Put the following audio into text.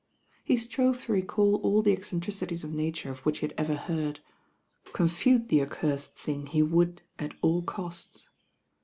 He strove to recall all the eccentricities of Na ture of which he had ever heard. Confute the ac cursed thing he would at all costs.